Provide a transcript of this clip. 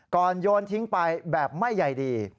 โยนทิ้งไปแบบไม่ใหญ่ดี